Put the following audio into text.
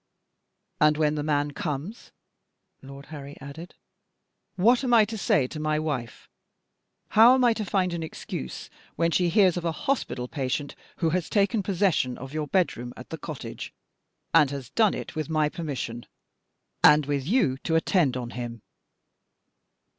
"And when the man comes," Lord Harry added, "what am I to say to my wife? How am I to find an excuse, when she hears of a hospital patient who has taken possession of your bed room at the cottage and has done it with my permission, and with you to attend on him?"